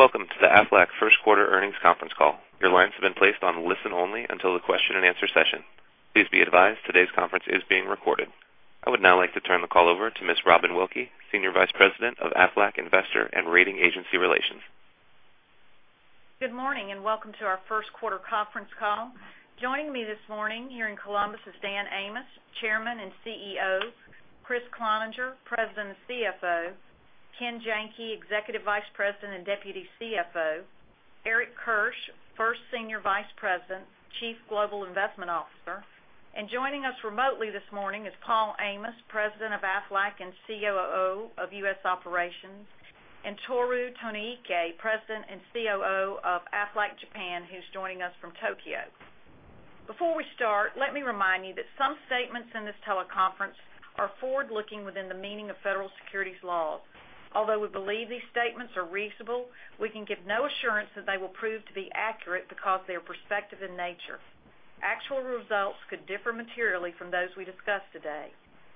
Welcome to the Aflac first quarter earnings conference call. Your lines have been placed on listen-only until the question and answer session. Please be advised, today's conference is being recorded. I would now like to turn the call over to Ms. Robin Wilkey, Senior Vice President of Aflac Investor and Rating Agency Relations. Good morning, welcome to our first quarter conference call. Joining me this morning here in Columbus is Dan Amos, Chairman and CEO, Kriss Cloninger, President and CFO, Ken Janke, Executive Vice President and Deputy CFO, Eric Kirsch, First Senior Vice President, Chief Global Investment Officer, and joining us remotely this morning is Paul Amos, President of Aflac and COO of U.S. Operations, and Tohru Tonoike, President and COO of Aflac Japan, who's joining us from Tokyo. Before we start, let me remind you that some statements in this teleconference are forward-looking within the meaning of federal securities laws. Although we believe these statements are reasonable, we can give no assurance that they will prove to be accurate because they are prospective in nature. Actual results could differ materially from those we discuss today.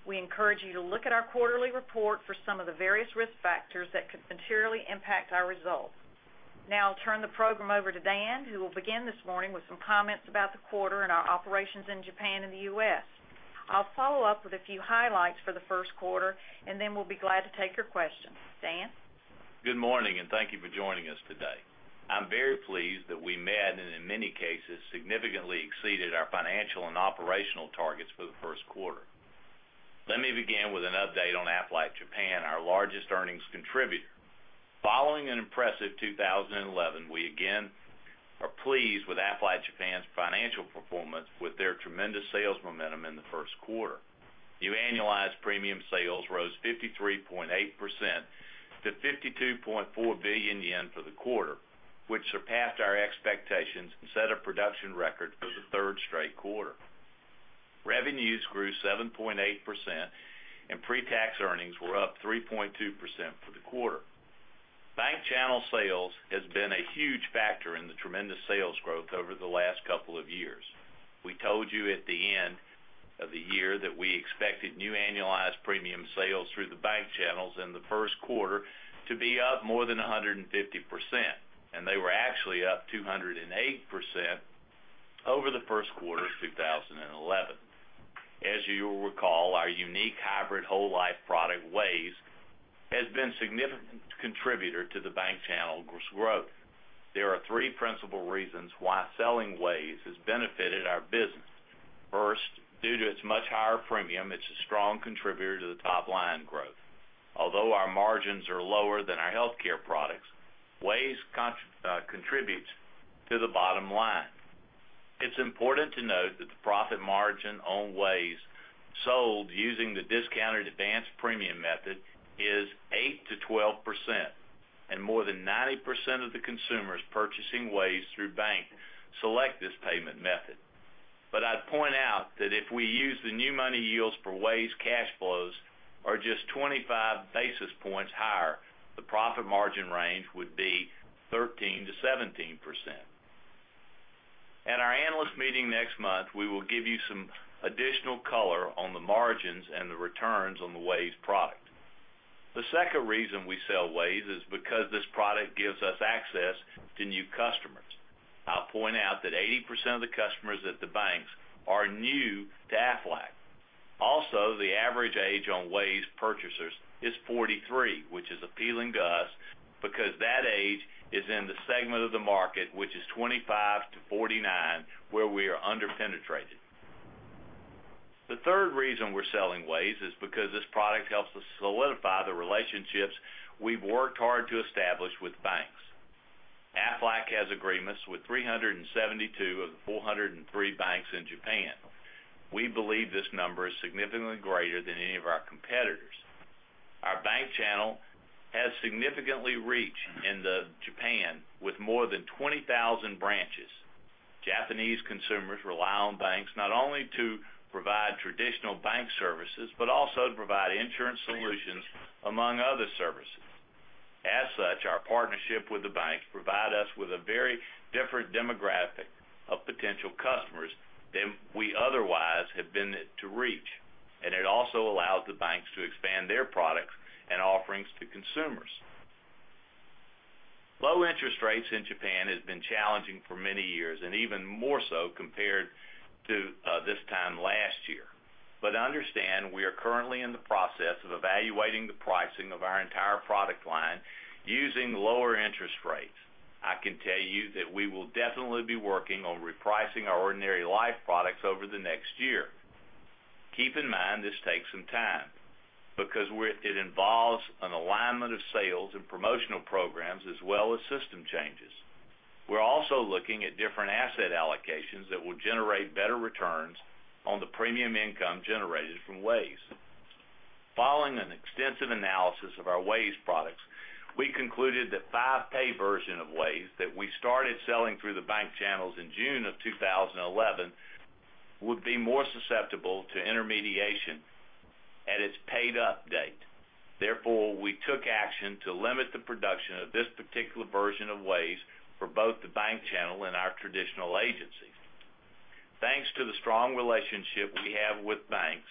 We encourage you to look at our quarterly report for some of the various risk factors that could materially impact our results. I'll turn the program over to Dan, who will begin this morning with some comments about the quarter and our operations in Japan and the U.S. I'll follow up with a few highlights for the first quarter, then we'll be glad to take your questions. Dan? Good morning. Thank you for joining us today. I'm very pleased that we met, and in many cases, significantly exceeded our financial and operational targets for the first quarter. Let me begin with an update on Aflac Japan, our largest earnings contributor. Following an impressive 2011, we again are pleased with Aflac Japan's financial performance with their tremendous sales momentum in the first quarter. New annualized premium sales rose 53.8% to 52.4 billion yen for the quarter, which surpassed our expectations and set a production record for the third straight quarter. Revenues grew 7.8%, and pre-tax earnings were up 3.2% for the quarter. Bank channel sales has been a huge factor in the tremendous sales growth over the last couple of years. We told you at the end of the year that we expected new annualized premium sales through the bank channels in the first quarter to be up more than 150%. They were actually up 208% over the first quarter of 2011. As you'll recall, our unique hybrid whole life product, WAYS, has been a significant contributor to the bank channel's growth. There are three principal reasons why selling WAYS has benefited our business. First, due to its much higher premium, it's a strong contributor to the top-line growth. Although our margins are lower than our healthcare products, WAYS contributes to the bottom line. It's important to note that the profit margin on WAYS sold using the discounted advanced premium method is 8%-12%, and more than 90% of the consumers purchasing WAYS through bank select this payment method. I'd point out that if we use the new money yields for WAYS cash flows are just 25 basis points higher, the profit margin range would be 13%-17%. At our analyst meeting next month, we will give you some additional color on the margins and the returns on the WAYS product. The second reason we sell WAYS is because this product gives us access to new customers. I'll point out that 80% of the customers at the banks are new to Aflac. Also, the average age on WAYS purchasers is 43, which is appealing to us because that age is in the segment of the market, which is 25-49, where we are under-penetrated. The third reason we're selling WAYS is because this product helps us solidify the relationships we've worked hard to establish with banks. Aflac has agreements with 372 of the 403 banks in Japan. We believe this number is significantly greater than any of our competitors. Our bank channel has significant reach in Japan with more than 20,000 branches. Japanese consumers rely on banks not only to provide traditional bank services, but also to provide insurance solutions among other services. As such, our partnership with the banks provide us with a very different demographic of potential customers than we otherwise had been to reach, and it also allows the banks to expand their products and offerings to consumers. Low interest rates in Japan has been challenging for many years, and even more so compared to this time last year. Understand, we are currently in the process of evaluating the pricing of our entire product line using lower interest rates. I can tell you that we will definitely be working on repricing our ordinary life products over the next year. Keep in mind this takes some time because it involves an alignment of sales and promotional programs as well as system changes. We're also looking at different asset allocations that will generate better returns on the premium income generated from WAYS. Following an extensive analysis of our WAYS products, we concluded the five-pay version of WAYS that we started selling through the bank channels in June of 2011 would be more susceptible to disintermediation at its paid-up date. Therefore, we took action to limit the production of this particular version of WAYS for both the bank channel and our traditional agency. Thanks to the strong relationship we have with banks,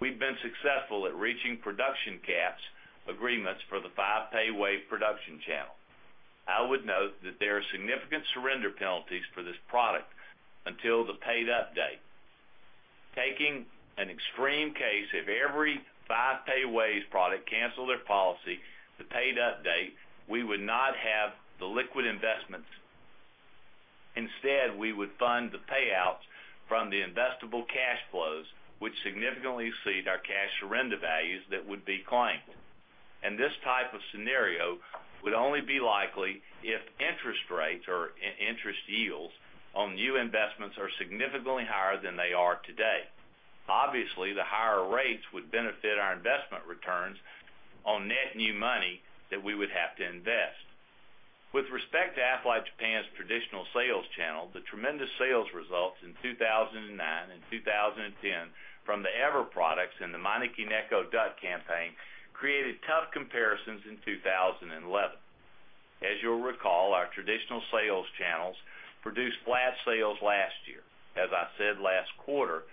we've been successful at reaching production caps agreements for the five-pay WAYS production channel. I would note that there are significant surrender penalties for this product until the paid up date. Taking an extreme case, if every five-pay WAYS product cancel their policy, the paid up date, we would not have the liquid investments. Instead, we would fund the payouts from the investable cash flows, which significantly exceed our cash surrender values that would be claimed. This type of scenario would only be likely if interest rates or interest yields on new investments are significantly higher than they are today. Obviously, the higher rates would benefit our investment returns on net new money that we would have to invest. With respect to Aflac Japan's traditional sales channel, the tremendous sales results in 2009 and 2010 from the EVER products and the Maneki-neko Duck campaign created tough comparisons in 2011. As you'll recall, our traditional sales channels produced flat sales last year. As I said last quarter,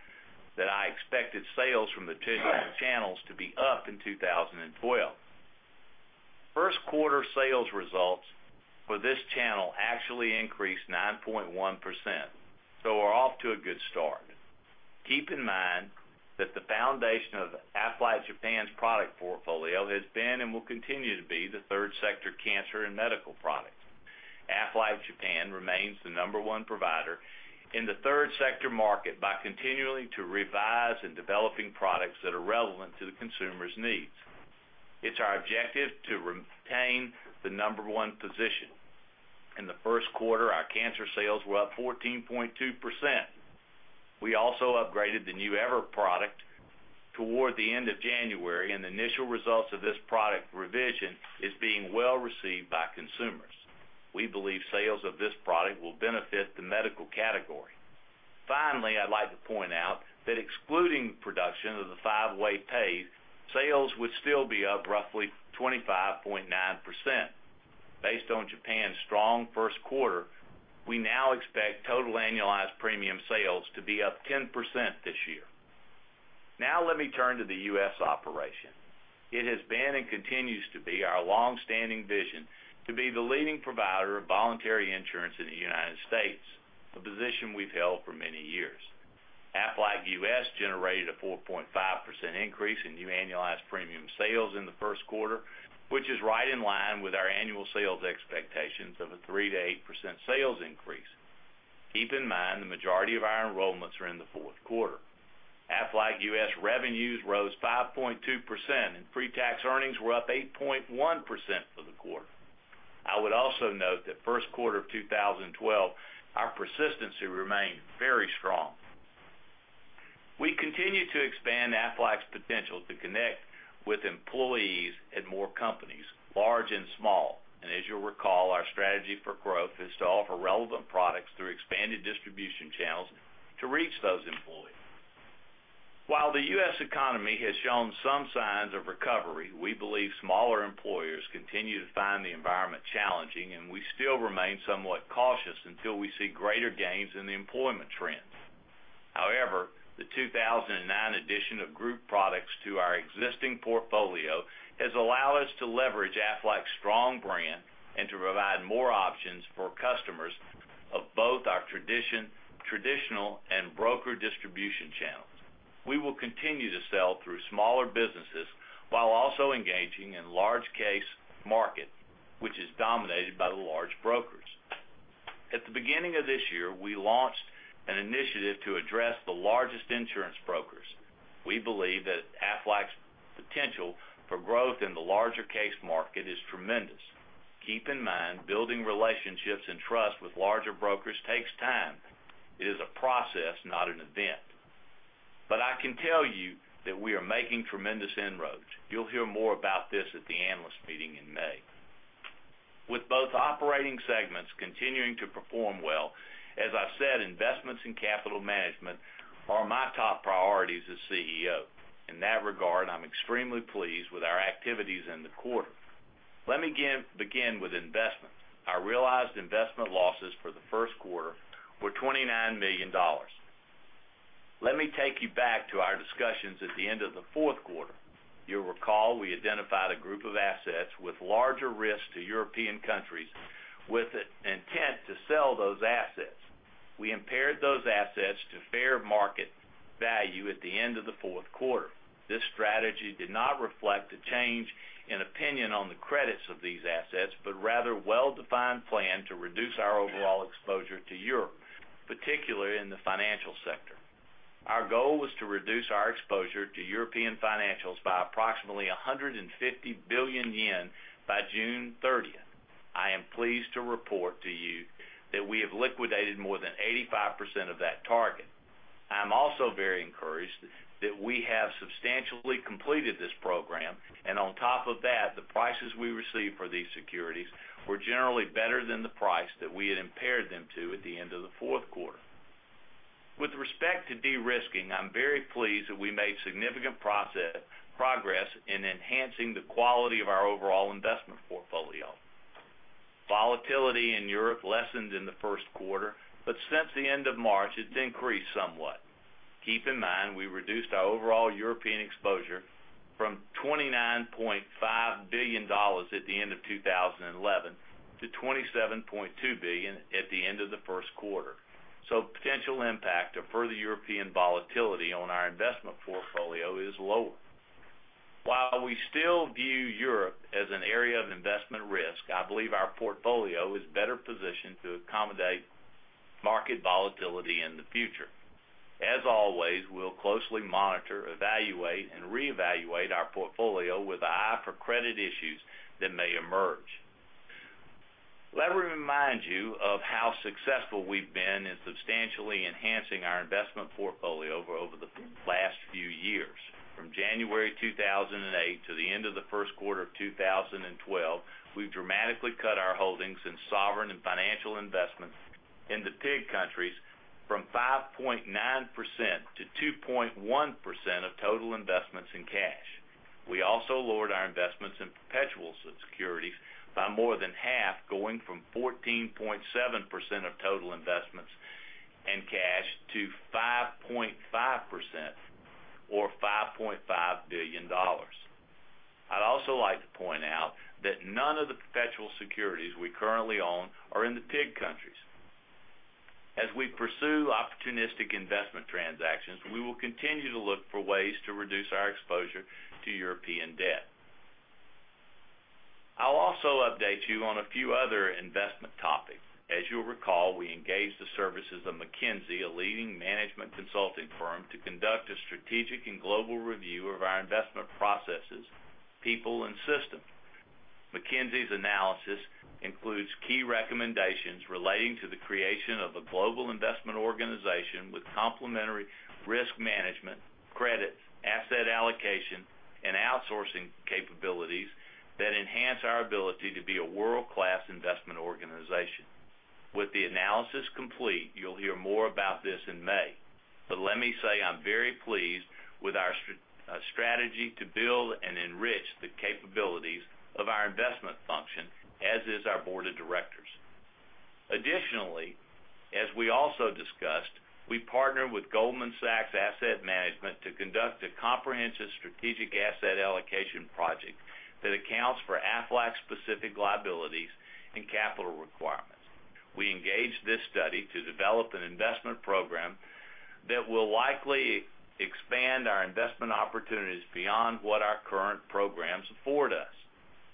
that I expected sales from the traditional channels to be up in 2012. First quarter sales results for this channel actually increased 9.1%. We're off to a good start. Keep in mind that the foundation of Aflac Japan's product portfolio has been and will continue to be the third sector cancer and medical products. Aflac Japan remains the number one provider in the third sector market by continuing to revise and developing products that are relevant to the consumer's needs. It's our objective to retain the number one position. In the first quarter, our cancer sales were up 14.2%. We also upgraded the new EVER product toward the end of January. The initial results of this product revision is being well received by consumers. We believe sales of this product will benefit the medical category. Finally, I'd like to point out that excluding production of the five-pay WAYS, sales would still be up roughly 25.9%. Based on Japan's strong first quarter, we now expect total annualized premium sales to be up 10% this year. Let me turn to the Aflac U.S. operation. It has been and continues to be our longstanding vision to be the leading provider of voluntary insurance in the United States, a position we've held for many years. Aflac U.S. generated a 4.5% increase in new annualized premium sales in the first quarter, which is right in line with our annual sales expectations of a 3%-8% sales increase. Keep in mind, the majority of our enrollments are in the fourth quarter. Aflac U.S. revenues rose 5.2%. Pre-tax earnings were up 8.1% for the quarter. I would also note that first quarter of 2012, our persistency remained very strong. We continue to expand Aflac's potential to connect with employees at more companies, large and small. As you'll recall, our strategy for growth is to offer relevant products through expanded distribution channels to reach those employees. While the U.S. economy has shown some signs of recovery, we believe smaller employers continue to find the environment challenging. We still remain somewhat cautious until we see greater gains in the employment trends. However, the 2009 addition of group products to our existing portfolio has allowed us to leverage Aflac's strong brand and to provide more options for customers of both our traditional and broker distribution channels. We will continue to sell through smaller businesses while also engaging in large case market, which is dominated by the large brokers. At the beginning of this year, we launched an initiative to address the largest insurance brokers. We believe that Aflac's potential for growth in the larger case market is tremendous. Keep in mind, building relationships and trust with larger brokers takes time. It is a process, not an event. But I can tell you that we are making tremendous inroads. You'll hear more about this at the analyst meeting in May. With both operating segments continuing to perform well, as I said, investments in capital management are my top priorities as CEO. In that regard, I'm extremely pleased with our activities in the quarter. Let me begin with investments. Our realized investment losses for the first quarter were $29 million. Let me take you back to our discussions at the end of the fourth quarter. You'll recall we identified a group of assets with larger risks to European countries with intent to sell those assets. We impaired those assets to fair market value at the end of the fourth quarter. This strategy did not reflect a change in opinion on the credits of these assets, but rather a well-defined plan to reduce our overall exposure to Europe, particularly in the financial sector. Our goal was to reduce our exposure to European financials by approximately 150 billion yen by June 30th. I am pleased to report to you that we have liquidated more than 85% of that target. I'm also very encouraged that we have substantially completed this program, and on top of that, the prices we received for these securities were generally better than the price that we had impaired them to at the end of the fourth quarter. With respect to de-risking, I'm very pleased that we made significant progress in enhancing the quality of our overall investment portfolio. Volatility in Europe lessened in the first quarter. Since the end of March, it's increased somewhat. Keep in mind, we reduced our overall European exposure from $29.5 billion at the end of 2011 to $27.2 billion at the end of the first quarter. So potential impact of further European volatility on our investment portfolio is lower. We still view Europe as an area of investment risk, I believe our portfolio is better positioned to accommodate market volatility in the future. As always, we'll closely monitor, evaluate, and reevaluate our portfolio with an eye for credit issues that may emerge. Let me remind you of how successful we've been in substantially enhancing our investment portfolio over the last few years. From January 2008 to the end of the first quarter of 2012, we've dramatically cut our holdings in sovereign and financial investments in the PIIGS countries from 5.9% to 2.1% of total investments in cash. We also lowered our investments in perpetual securities by more than half, going from 14.7% of total investments in cash to 5.5%, or $5.5 billion. I'd also like to point out that none of the perpetual securities we currently own are in the PIIGS countries. As we pursue opportunistic investment transactions, we will continue to look for ways to reduce our exposure to European debt. I'll also update you on a few other investment topics. As you'll recall, we engaged the services of McKinsey, a leading management consulting firm, to conduct a strategic and global review of our investment processes, people, and systems. McKinsey's analysis includes key recommendations relating to the creation of a global investment organization with complementary risk management, credit, asset allocation, and outsourcing capabilities that enhance our ability to be a world-class investment organization. With the analysis complete, you'll hear more about this in May. Let me say, I'm very pleased with our strategy to build and enrich the capabilities of our investment function, as is our board of directors. Additionally, as we also discussed, we partnered with Goldman Sachs Asset Management to conduct a comprehensive strategic asset allocation project that accounts for Aflac's specific liabilities and capital requirements. We engaged this study to develop an investment program that will likely expand our investment opportunities beyond what our current programs afford us.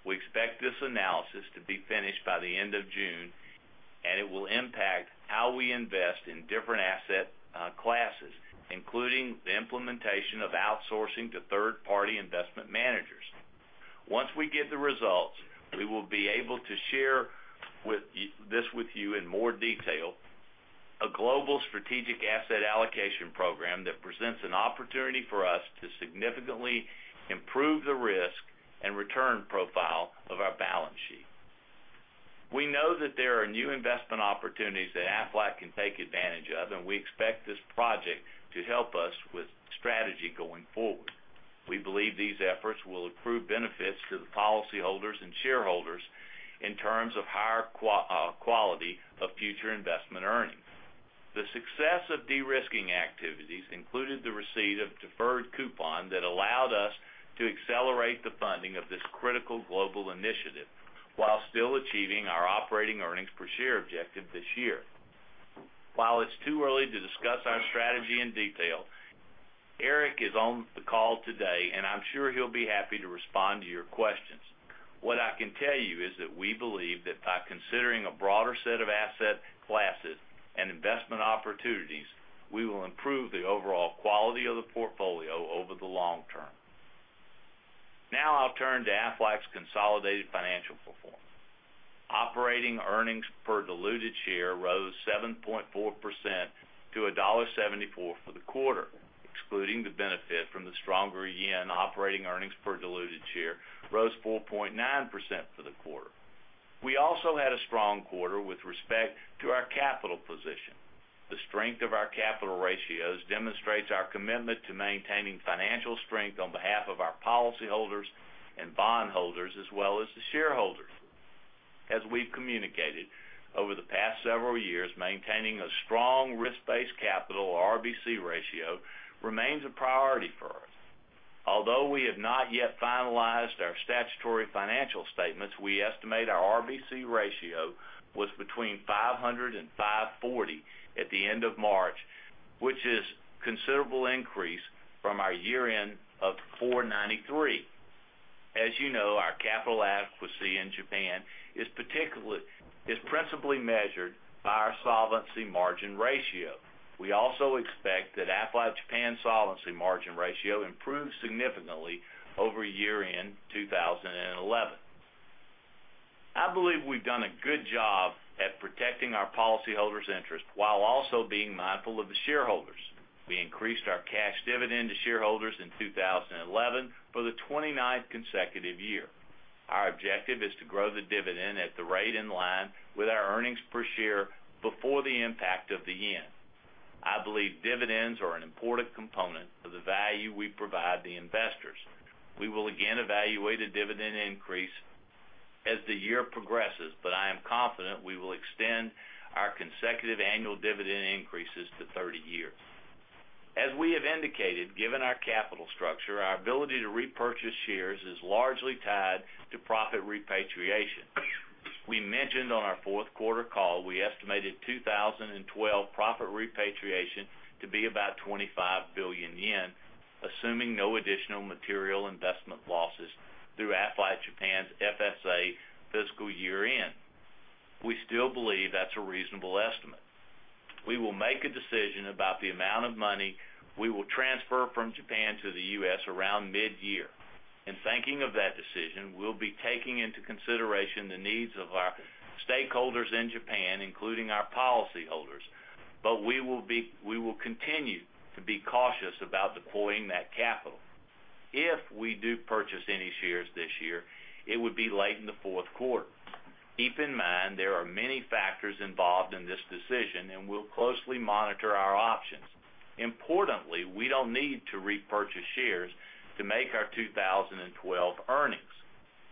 We expect this analysis to be finished by the end of June. It will impact how we invest in different asset classes, including the implementation of outsourcing to third-party investment managers. Once we get the results, we will be able to share this with you in more detail, a global strategic asset allocation program that presents an opportunity for us to significantly improve the risk and return profile of our balance sheet. We know that there are new investment opportunities that Aflac can take advantage of. We expect this project to help us with strategy going forward. We believe these efforts will accrue benefits to the policyholders and shareholders in terms of higher quality of future investment earnings. The success of de-risking activities included the receipt of deferred coupon that allowed us to accelerate the funding of this critical global initiative while still achieving our operating earnings per share objective this year. While it's too early to discuss our strategy in detail, Eric is on the call today. I'm sure he'll be happy to respond to your questions. What I can tell you is that we believe that by considering a broader set of asset classes and investment opportunities, we will improve the overall quality of the portfolio over the long term. Now I'll turn to Aflac's consolidated financial performance. Operating earnings per diluted share rose 7.4% to $1.74 for the quarter. Excluding the benefit from the stronger yen, operating earnings per diluted share rose 4.9% for the quarter. We also had a strong quarter with respect to our capital position. The strength of our capital ratios demonstrates our commitment to maintaining financial strength on behalf of our policyholders and bondholders, as well as the shareholders. As we've communicated over the past several years, maintaining a strong risk-based capital, or RBC ratio, remains a priority for us. Although we have not yet finalized our statutory financial statements, we estimate our RBC ratio was between 500 and 540 at the end of March, which is a considerable increase from our year-end of 493. As you know, our capital adequacy in Japan is principally measured by our solvency margin ratio. We also expect that Aflac Japan's solvency margin ratio improved significantly over year-end 2011. I believe we've done a good job at protecting our policyholders' interest while also being mindful of the shareholders. We increased our cash dividend to shareholders in 2011 for the 29th consecutive year. Our objective is to grow the dividend at the rate in line with our earnings per share before the impact of the yen. I believe dividends are an important component of the value we provide the investors. We will again evaluate a dividend increase as the year progresses, but I am confident we will extend our consecutive annual dividend increases to 30 years. As we have indicated, given our capital structure, our ability to repurchase shares is largely tied to profit repatriation. We mentioned on our fourth quarter call, we estimated 2012 profit repatriation to be about 25 billion yen, assuming no additional material investment losses through Aflac Japan's FSA fiscal year-end. We still believe that's a reasonable estimate. We will make a decision about the amount of money we will transfer from Japan to the U.S. around mid-year. In thinking of that decision, we'll be taking into consideration the needs of our stakeholders in Japan, including our policyholders. We will continue to be cautious about deploying that capital. If we do purchase any shares this year, it would be late in the fourth quarter. Keep in mind, there are many factors involved in this decision, and we'll closely monitor our options. Importantly, we don't need to repurchase shares to make our 2012 earnings.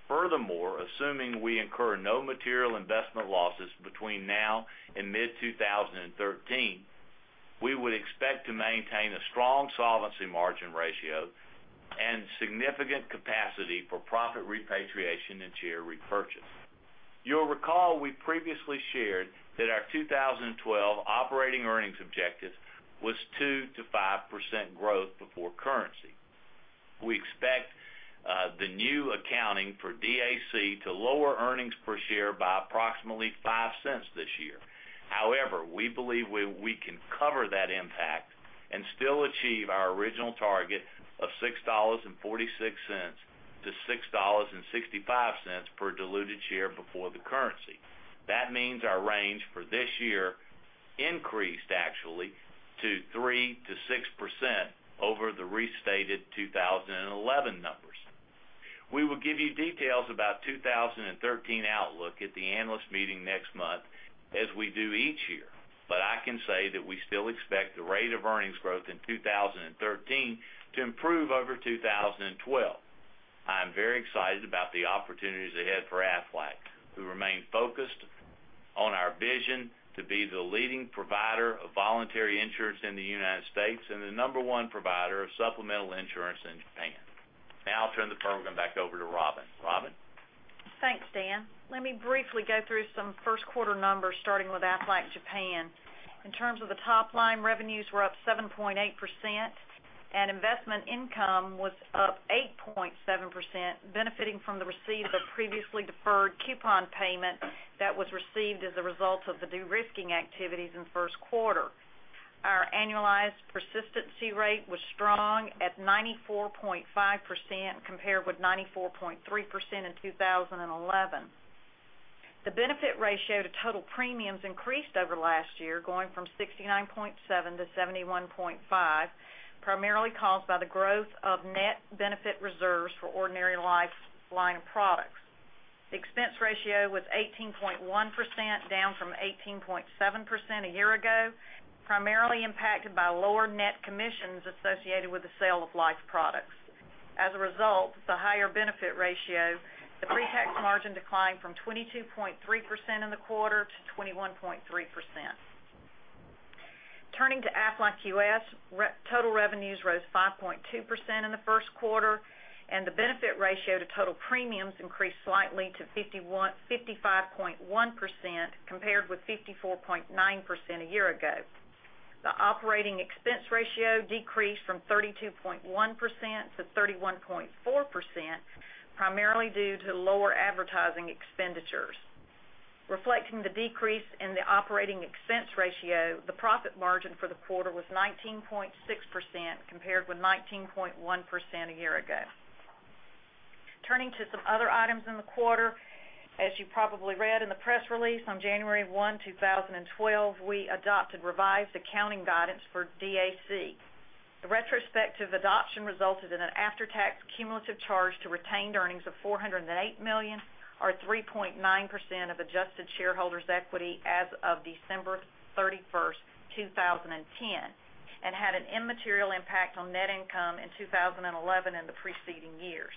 Furthermore, assuming we incur no material investment losses between now and mid-2013, we would expect to maintain a strong solvency margin ratio and significant capacity for profit repatriation and share repurchase. You'll recall we previously shared that our 2012 operating earnings objective was 2%-5% growth before currency. We expect the new accounting for DAC to lower earnings per share by approximately $0.05 this year. However, we believe we can cover that impact and still achieve our original target of $6.46-$6.65 per diluted share before the currency. That means our range for this year increased actually to 3%-6% over the restated 2011 numbers. We will give you details about 2013 outlook at the Financial Analysts Briefing next month as we do each year. I can say that we still expect the rate of earnings growth in 2013 to improve over 2012. I am very excited about the opportunities ahead for Aflac, who remain focused on our vision to be the leading provider of voluntary insurance in the U.S. and the number one provider of supplemental insurance in Japan. Now I'll turn the program back over to Robin. Robin? Thanks, Dan. Let me briefly go through some first quarter numbers, starting with Aflac Japan. In terms of the top line, revenues were up 7.8%, and investment income was up 8.7%, benefiting from the receipt of a previously deferred coupon payment that was received as a result of the de-risking activities in first quarter. Our annualized persistency rate was strong at 94.5%, compared with 94.3% in 2011. The benefit ratio to total premiums increased over last year, going from 69.7%-71.5%, primarily caused by the growth of net benefit reserves for ordinary life line of products. The expense ratio was 18.1%, down from 18.7% a year ago, primarily impacted by lower net commissions associated with the sale of life products. As a result of the higher benefit ratio, the pre-tax margin declined from 22.3% in the quarter to 21.3%. Turning to Aflac U.S., total revenues rose 5.2% in the first quarter, and the benefit ratio to total premiums increased slightly to 55.1%, compared with 54.9% a year ago. The operating expense ratio decreased from 32.1% to 31.4%, primarily due to lower advertising expenditures. Reflecting the decrease in the operating expense ratio, the profit margin for the quarter was 19.6%, compared with 19.1% a year ago. Turning to some other items in the quarter, as you probably read in the press release, on January 1, 2012, we adopted revised accounting guidance for DAC. The retrospective adoption resulted in an after-tax cumulative charge to retained earnings of $408 million, or 3.9% of adjusted shareholders' equity as of December 31, 2010, and had an immaterial impact on net income in 2011 and the preceding years.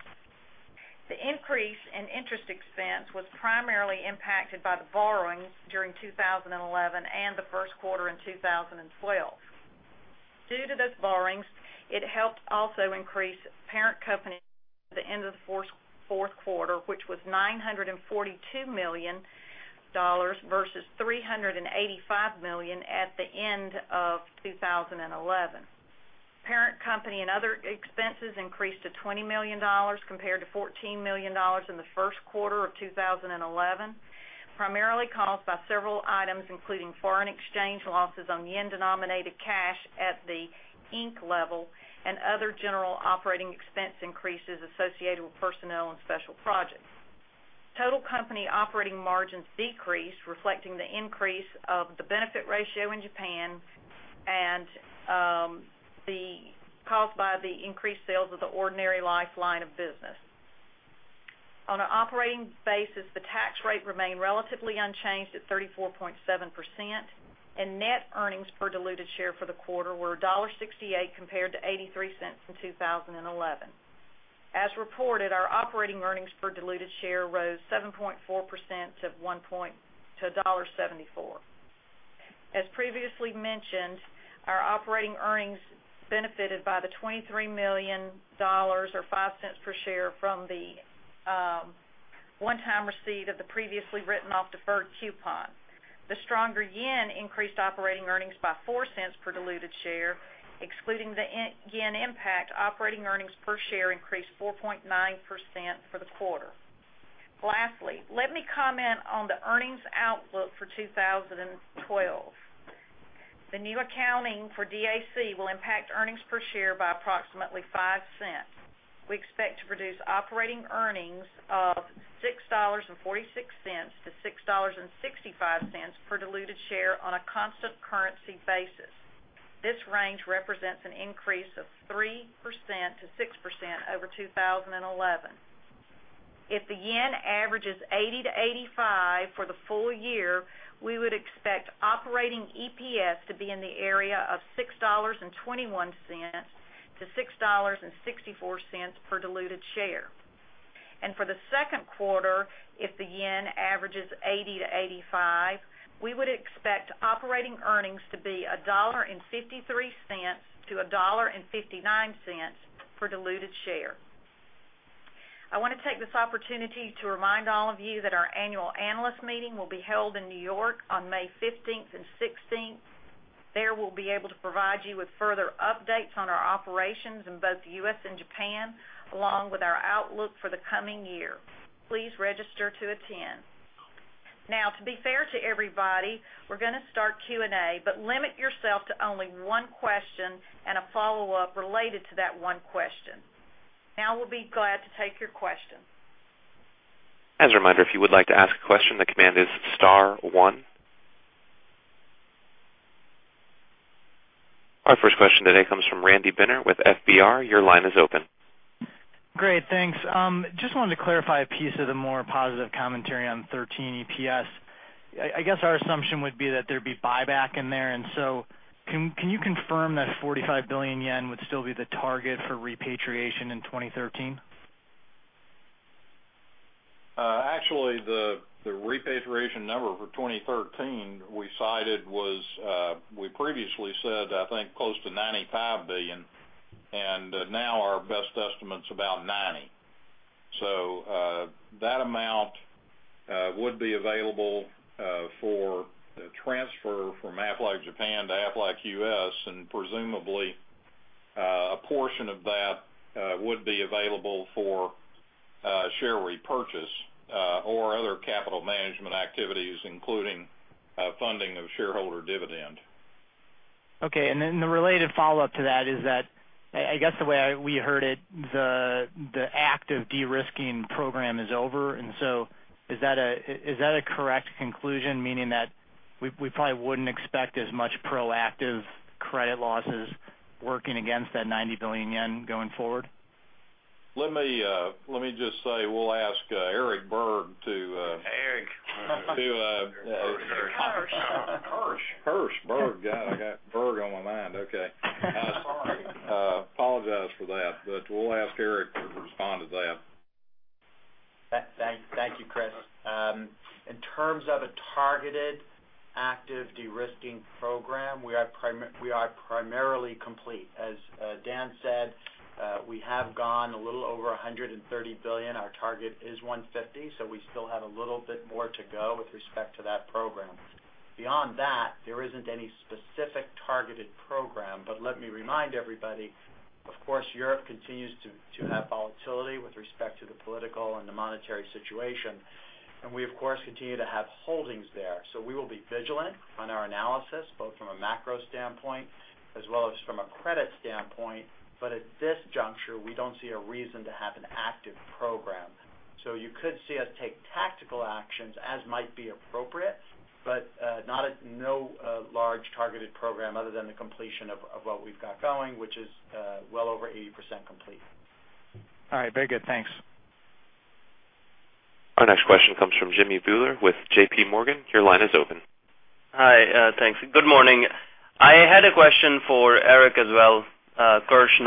The increase in interest expense was primarily impacted by the borrowings during 2011 and the first quarter in 2012. Due to those borrowings, it helped also increase parent company cash the end of the fourth quarter, which was $942 million versus $385 million at the end of 2011. Parent company and other expenses increased to $20 million compared to $14 million in the first quarter of 2011, primarily caused by several items, including foreign exchange losses on yen-denominated cash at the Inc. level and other general operating expense increases associated with personnel and special projects. Total company operating margins decreased, reflecting the increase of the benefit ratio in Japan and caused by the increased sales of the ordinary life line of business. On an operating basis, the tax rate remained relatively unchanged at 34.7%, and net earnings per diluted share for the quarter were $1.68 compared to $0.83 in 2011. As reported, our operating earnings per diluted share rose 7.4% to $1.74. As previously mentioned, our operating earnings benefited by the $23 million or $0.05 per share from the one-time receipt of the previously written off deferred coupon. The stronger yen increased operating earnings by $0.04 per diluted share. Excluding the yen impact, operating earnings per share increased 4.9% for the quarter. Lastly, let me comment on the earnings outlook for 2012. The new accounting for DAC will impact earnings per share by approximately $0.05. We expect to produce operating earnings of $6.46-$6.65 per diluted share on a constant currency basis. This range represents an increase of 3%-6% over 2011. If the yen averages 80-85 for the full year, we would expect operating EPS to be in the area of $6.21-$6.64 per diluted share. For the second quarter, if the yen averages 80-85, we would expect operating earnings to be $1.53-$1.59 for diluted share. I want to take this opportunity to remind all of you that our annual analyst meeting will be held in New York on May 15th and 16th. There, we'll be able to provide you with further updates on our operations in both the U.S. and Japan, along with our outlook for the coming year. Please register to attend. To be fair to everybody, we're going to start Q&A, but limit yourself to only one question and a follow-up related to that one question. We'll be glad to take your question. As a reminder, if you would like to ask a question, the command is star one. Our first question today comes from Randy Binner with FBR. Your line is open. Great, thanks. Just wanted to clarify a piece of the more positive commentary on 2013 EPS. I guess our assumption would be that there'd be buyback in there. Can you confirm that 45 billion yen would still be the target for repatriation in 2013? Actually, the repatriation number for 2013 we cited was, we previously said, I think, close to 95 billion. Now our best estimate's about 90 billion. That amount would be available for transfer from Aflac Japan to Aflac U.S., presumably, a portion of that would be available for share repurchase or other capital management activities, including funding of shareholder dividend. Okay, the related follow-up to that is that, I guess the way we heard it, the active de-risking program is over. Is that a correct conclusion, meaning that we probably wouldn't expect as much proactive credit losses working against that 90 billion yen going forward? Let me just say, we'll ask Eric Berg to- Eric. To- Kirsch. Kirsch. Kirsch. God, I got Berg on my mind. Okay. Apologize for that. We'll ask Eric to respond to that. Thank you, Kriss. In terms of a targeted active de-risking program, we are primarily complete. As Dan said, we have gone a little over 130 billion. Our target is 150 billion, so we still have a little bit more to go with respect to that program. Beyond that, there isn't any specific targeted program. Let me remind everybody, of course, Europe continues to have volatility with respect to the political and the monetary situation, and we of course, continue to have holdings there. We will be vigilant on our analysis, both from a macro standpoint as well as from a credit standpoint. At this juncture, we don't see a reason to have an active program. You could see us take tactical actions as might be appropriate, but no large targeted program other than the completion of what we've got going, which is well over 80% complete. All right. Very good. Thanks. Our next question comes from Jimmy Bhullar with J.P. Morgan. Your line is open. Hi. Thanks. Good morning. I had a question for Eric Kirsch as well. First,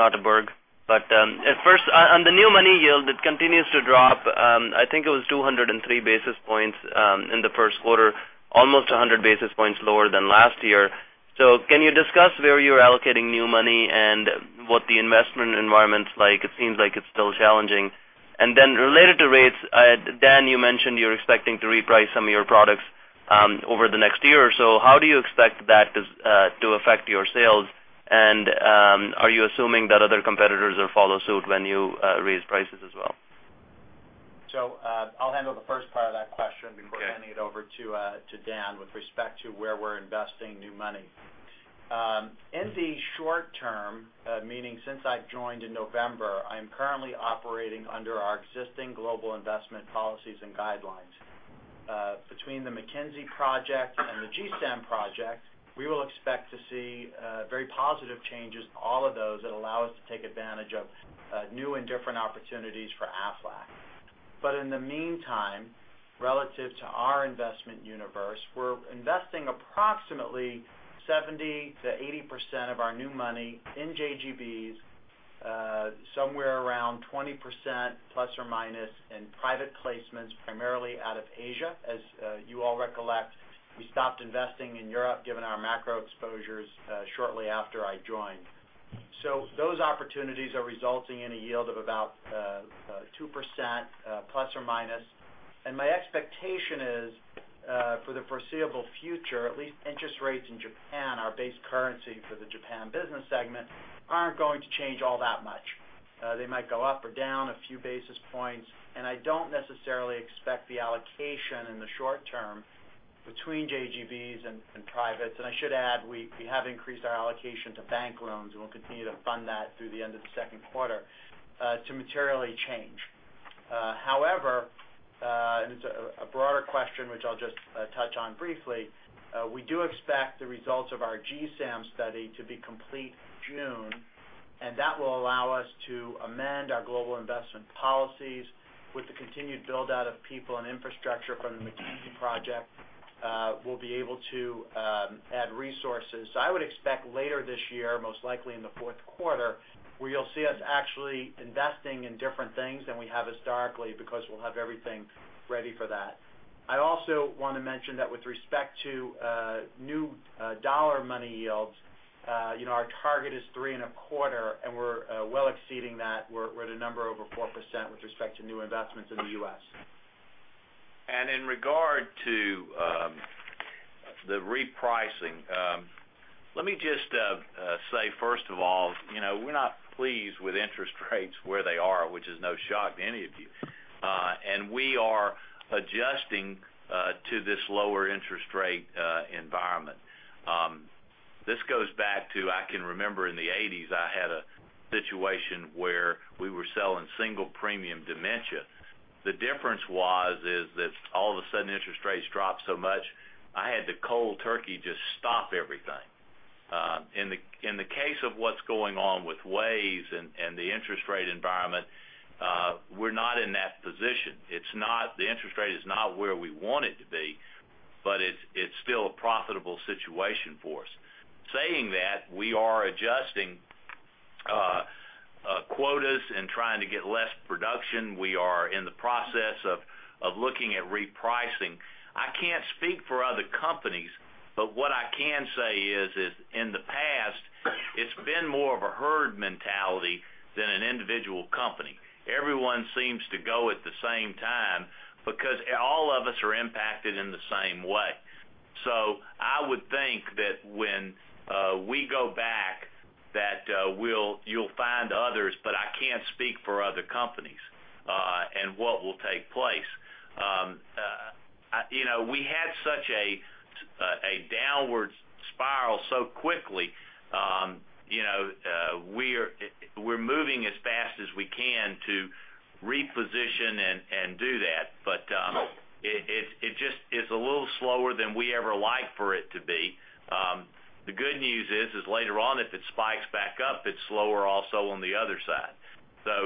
on the new money yield, it continues to drop. I think it was 203 basis points in the first quarter, almost 100 basis points lower than last year. Can you discuss where you're allocating new money and what the investment environment's like? It seems like it's still challenging. Then related to rates, Dan, you mentioned you're expecting to reprice some of your products over the next year or so. How do you expect that to affect your sales? Are you assuming that other competitors will follow suit when you raise prices as well? I'll handle the first part of that question before handing it over to Dan with respect to where we're investing new money. In the short term, meaning since I've joined in November, I'm currently operating under our existing global investment policies and guidelines. Between the McKinsey project and the GSAM project, we will expect to see very positive changes to all of those that allow us to take advantage of new and different opportunities for Aflac. In the meantime, relative to our investment universe, we're investing approximately 70%-80% of our new money in JGBs, somewhere around 20%, plus or minus, in private placements, primarily out of Asia. As you all recollect, we stopped investing in Europe, given our macro exposures shortly after I joined. Those opportunities are resulting in a yield of about 2%, plus or minus. My expectation is, for the foreseeable future, at least interest rates in Japan, our base currency for the Japan business segment, aren't going to change all that much. They might go up or down a few basis points. I don't necessarily expect the allocation in the short term between JGBs and privates. I should add, we have increased our allocation to bank loans, and we'll continue to fund that through the end of the second quarter to materially change. However, it's a broader question, which I'll just touch on briefly, we do expect the results of our GSAM study to be complete June, and that will allow us to amend our global investment policies. With the continued build-out of people and infrastructure from the McKinsey project, we'll be able to add resources. I would expect later this year, most likely in the fourth quarter, where you'll see us actually investing in different things than we have historically because we'll have everything ready for that. I also want to mention that with respect to new dollar money yields, our target is 3.25%, and we're well exceeding that. We're at a number over 4% with respect to new investments in the U.S. In regard to the repricing, let me just say, first of all, we're not pleased with interest rates where they are, which is no shock to any of you. We are adjusting to this lower interest rate environment. This goes back to, I can remember in the 1980s, I had a situation where we were selling single premium deferred annuity. The difference was is that all of a sudden, interest rates dropped so much I had to cold turkey just stop everything. In the case of what's going on with WAYS and the interest rate environment, we're not in that position. The interest rate is not where we want it to be, but it's still a profitable situation for us. Saying that, we are adjusting quotas and trying to get less production. We are in the process of looking at repricing. I can't speak for other companies, but what I can say is, in the past, it's been more of a herd mentality than an individual company. Everyone seems to go at the same time because all of us are impacted in the same way. I would think that when we go back, that you'll find others, but I can't speak for other companies and what will take place. We had such a downward spiral so quickly, we're moving as fast as we can to reposition and do that. It's a little slower than we ever like for it to be. The good news is later on, if it spikes back up, it's slower also on the other side.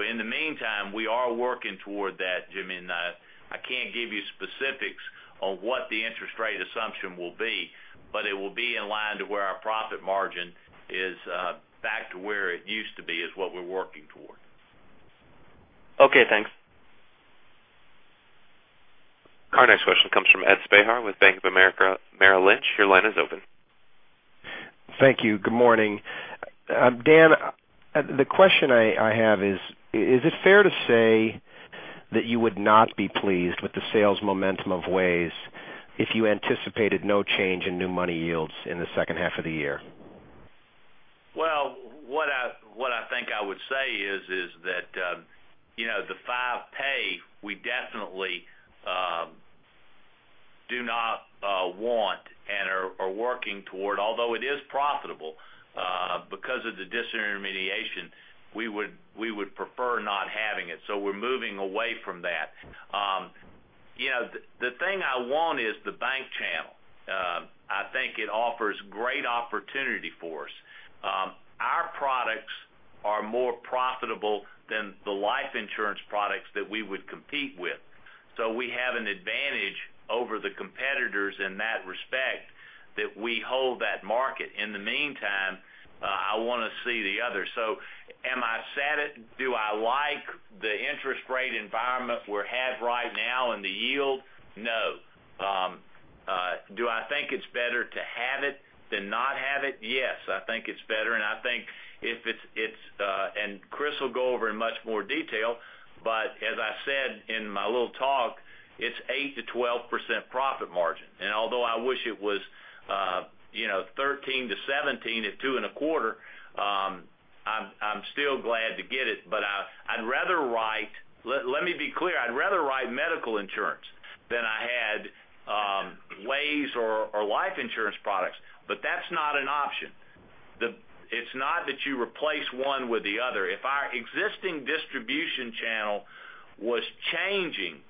In the meantime, we are working toward that, Jimmy, I can't give you specifics on what the interest rate assumption will be, but it will be in line to where our profit margin is back to where it used to be, is what we're working toward. Okay, thanks. Our next question comes from Edward Spahr with Bank of America Merrill Lynch. Your line is open. Thank you. Good morning. Dan, the question I have is it fair to say that you would not be pleased with the sales momentum of WAYS if you anticipated no change in new money yields in the second half of the year? What I think I would say is that the five-pay, we definitely do not want and are working toward. Although it is profitable, because of the disintermediation, we would prefer not having it. We're moving away from that. The thing I want is the bank channel. I think it offers great opportunity for us. Our products are more profitable than the life insurance products that we would compete with. We have an advantage over the competitors in that respect that we hold that market. In the meantime, I want to see the other. Am I sad do I like the interest rate environment we have right now and the yield? No. Do I think it's better to have it than not have it? Yes, I think it's better, I think if it's, Kriss will go over in much more detail. As I said in my little talk, it's 8%-12% profit margin. Although I wish it was 13%-17% at two and a quarter, I'm still glad to get it. I'd rather write, let me be clear, I'd rather write medical insurance than I had WAYS or life insurance products. That's not an option. It's not that you replace one with the other. If our existing distribution channel was changing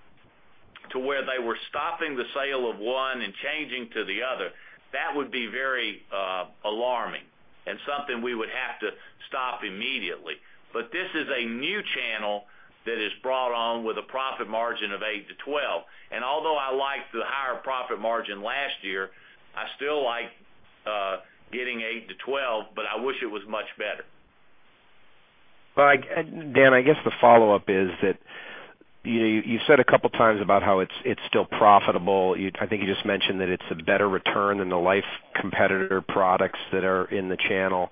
to where they were stopping the sale of one and changing to the other, that would be very alarming and something we would have to stop immediately. This is a new channel that is brought on with a profit margin of 8%-12%. Although I liked the higher profit margin last year, I still like getting 8%-12%, I wish it was much better. Dan, I guess the follow-up is that you said a couple of times about how it's still profitable. I think you just mentioned that it's a better return than the life competitor products that are in the channel.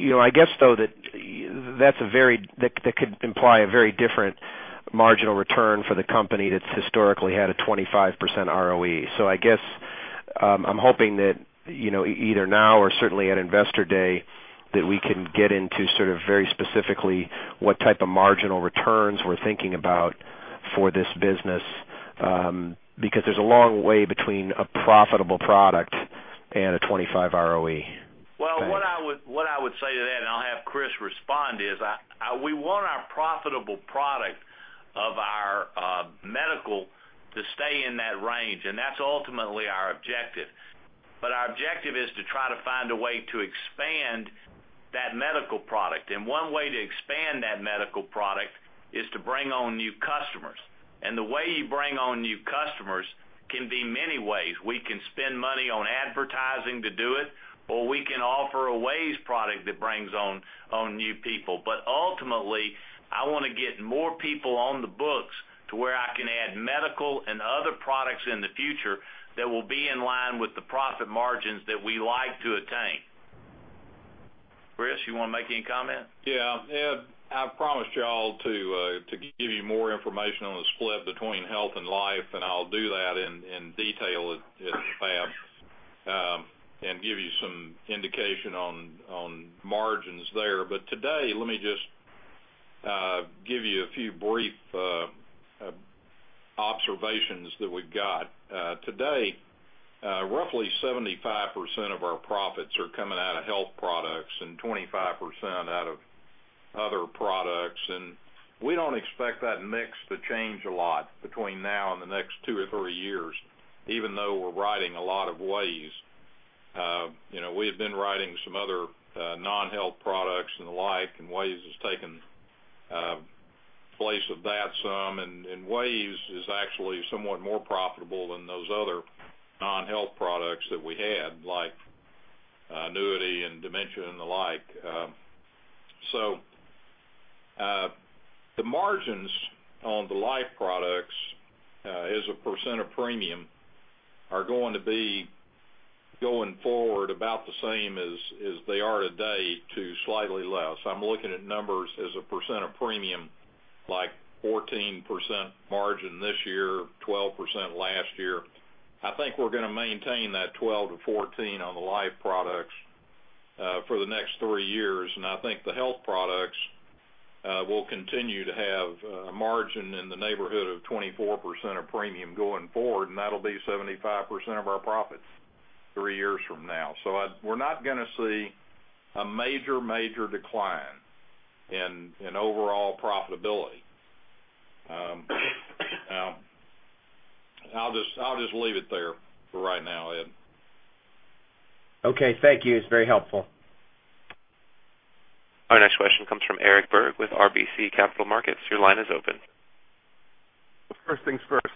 I guess, though that could imply a very different marginal return for the company that's historically had a 25% ROE. I guess, I'm hoping that either now or certainly at Investor Day, that we can get into very specifically what type of marginal returns we're thinking about for this business. There's a long way between a profitable product and a 25% ROE. Well, what I would say to that, I'll have Kriss respond, is we want our profitable product of our medical to stay in that range, that's ultimately our objective. Our objective is to try to find a way to expand that medical product. One way to expand that medical product is to bring on new customers. The way you bring on new customers can be many ways. We can spend money on advertising to do it, or we can offer a WAYS product that brings on new people. Ultimately, I want to get more people on the books to where I can add medical and other products in the future that will be in line with the profit margins that we like to attain. Kriss, you want to make any comment? Yeah. Ed, I promised you all to give you more information on the split between health and life, and I'll do that in detail at FAB and give you some indication on margins there. Today, let me just give you a few brief observations that we've got. Today, roughly 75% of our profits are coming out of health products and 25% out of other products. We don't expect that mix to change a lot between now and the next two or three years, even though we're writing a lot of WAYS. We have been writing some other non-health products and the like, and WAYS has taken place of that sum. WAYS is actually somewhat more profitable than those other non-health products that we had, like annuity and endowment and the like. The margins on the life products, as a percent of premium, are going to be going forward about the same as they are today to slightly less. I'm looking at numbers as a percent of premium, like 14% margin this year, 12% last year. I think we're going to maintain that 12%-14% on the life products for the next three years. I think the health products will continue to have a margin in the neighborhood of 24% of premium going forward, and that'll be 75% of our profits three years from now. We're not going to see a major decline in overall profitability. I'll just leave it there for right now, Ed. Okay, thank you. It's very helpful. Our next question comes from Eric Berg with RBC Capital Markets. Your line is open. First things first.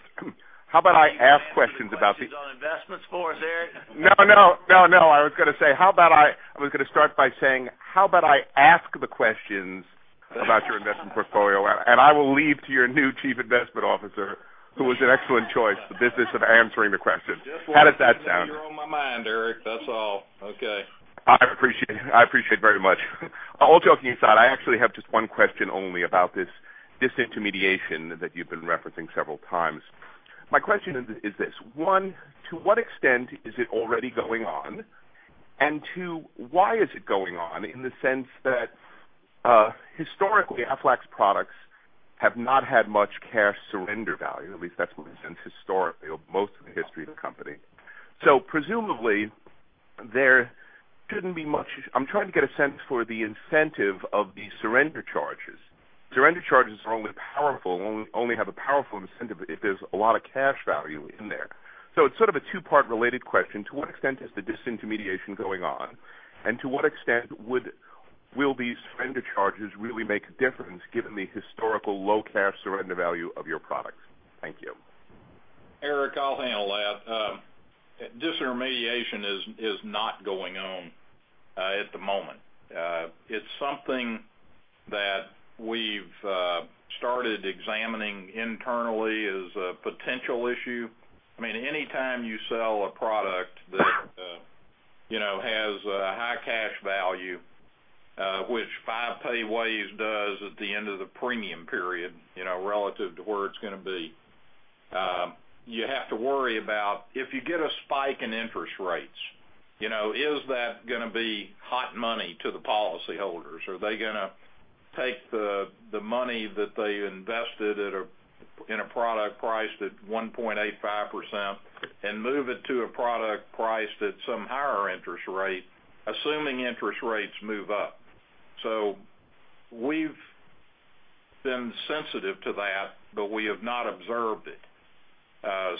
How about I ask questions about. Any questions on investments for us, Eric? I was going to start by saying, how about I ask the questions about your investment portfolio, and I will leave to your new Chief Investment Officer, who was an excellent choice, the business of answering the question. How does that sound? Just wanting to get you on my mind, Eric. That's all. Okay. I appreciate it very much. All joking aside, I actually have just one question only about this disintermediation that you've been referencing several times. My question is this. One, to what extent is it already going on? Two, why is it going on in the sense that historically, Aflac's products have not had much cash surrender value, at least that's my sense historically, or most of the history of the company. Presumably, there couldn't be much. I'm trying to get a sense for the incentive of these surrender charges. Surrender charges are only powerful, only have a powerful incentive if there's a lot of cash value in there. It's sort of a two-part related question. To what extent is the disintermediation going on, and to what extent will these surrender charges really make a difference given the historical low cash surrender value of your products? Thank you. Eric, I'll handle that. Disintermediation is not going on at the moment. It's something that we've started examining internally as a potential issue. Anytime you sell a product that has a high cash value, which five-pay WAYS does at the end of the premium period, relative to where it's going to be, you have to worry about if you get a spike in interest rates. Is that going to be hot money to the policyholders? Are they going to take the money that they invested in a product priced at 1.85% and move it to a product priced at some higher interest rate, assuming interest rates move up? We've been sensitive to that, but we have not observed it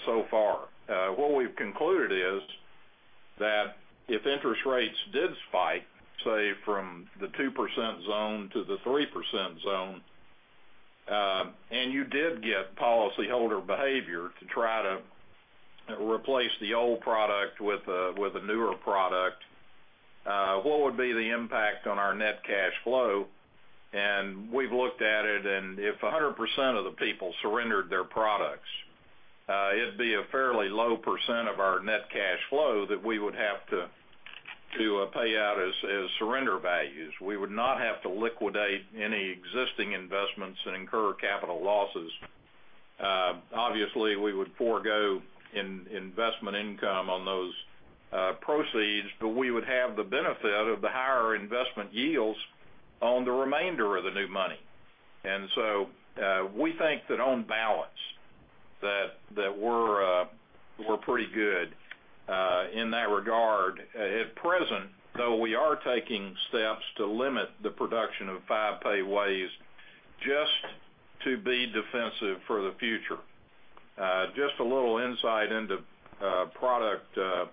so far. What we've concluded is that if interest rates did spike, say, from the 2% zone to the 3% zone, and you did get policyholder behavior to try to replace the old product with a newer product, what would be the impact on our net cash flow? We've looked at it, and if 100% of the people surrendered their products, it'd be a fairly low percent of our net cash flow that we would have to pay out as surrender values. We would not have to liquidate any existing investments and incur capital losses. Obviously, we would forego investment income on those proceeds, but we would have the benefit of the higher investment yields on the remainder of the new money. We think that on balance, that we're pretty good in that regard. At present, though, we are taking steps to limit the production of five-pay WAYS just to be defensive for the future. Just a little insight into product design.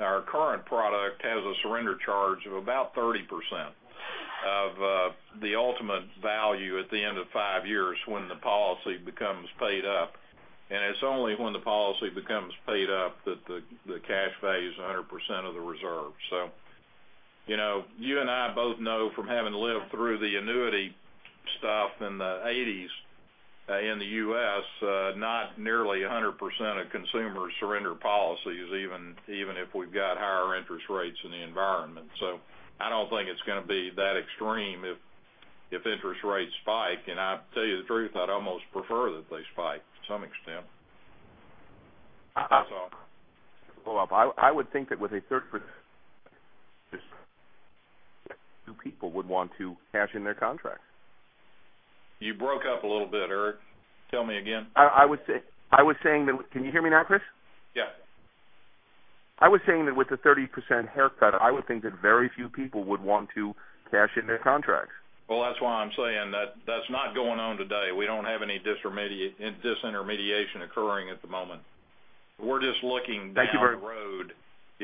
Our current product has a surrender charge of about 30% of the ultimate value at the end of five years when the policy becomes paid up. It's only when the policy becomes paid up that the cash value is 100% of the reserve. You and I both know from having lived through the annuity stuff in the '80s in the U.S., not nearly 100% of consumers surrender policies, even if we've got higher interest rates in the environment. I don't think it's going to be that extreme if interest rates spike. I tell you the truth, I'd almost prefer that they spike to some extent. That's all. Well, I would think that with a third few people would want to cash in their contracts. You broke up a little bit, Eric. Tell me again. I was saying that Can you hear me now, Kriss? Yeah. I was saying that with the 30% haircut, I would think that very few people would want to cash in their contracts. Well, that's why I'm saying that's not going on today. We don't have any disintermediation occurring at the moment. We're just looking down the road- Thank you